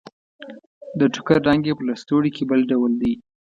د ټوکر رنګ يې په لستوڼي کې بل ډول دی.